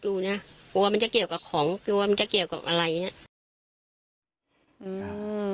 กลัวมันจะเกี่ยวกับของกลัวมันจะเกี่ยวกับอะไร